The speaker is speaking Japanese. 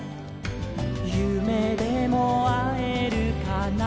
「ゆめでもあえるかな」